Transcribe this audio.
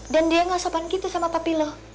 dan dia gak sopan gitu sama papi lo